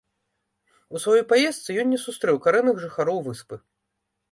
У сваёй паездцы ён не сустрэў карэнных жыхароў выспы.